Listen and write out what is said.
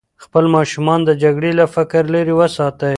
خپل ماشومان د جګړې له فکره لرې وساتئ.